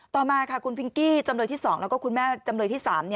ต่อมาค่ะคุณพิงกี้จำเลยที่๒แล้วก็คุณแม่จำเลยที่๓